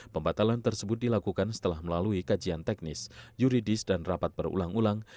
pembatalan tersebut dilakukan setelah melalui kajian teknis yuridis dan rapat berulang ulang